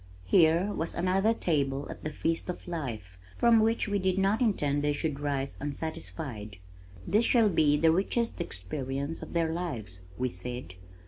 Here was another table at "the feast of life" from which we did not intend they should rise unsatisfied. "This shall be the richest experience of their lives," we said.